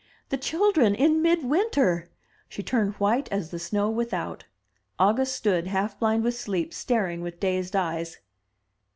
— ^the children — in mid winter!*' She turned white as the snow without. August stood, half blind with sleep, staring with dazed eyes.